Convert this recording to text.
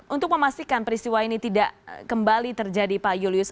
untuk memastikan peristiwa ini tidak kembali terjadi pak julius